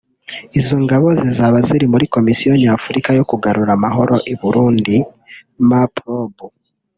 Izo ngabo zizaba ziri muri misiyo nyafurika yo kugarura amahoro i Burundi (Maprobu)